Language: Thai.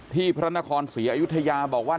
พระนครศรีอยุธยาบอกว่า